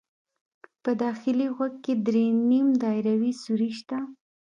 په داخلي غوږ کې درې نیم دایروي سوري شته.